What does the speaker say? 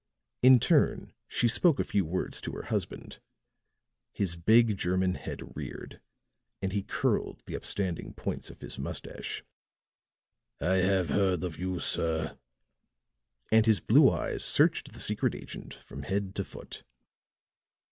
In turn she spoke a few words to her husband. His big German head reared, and he curled the upstanding points of his moustache. "I have heard of you, sir," and his blue eyes searched the secret agent from head to foot.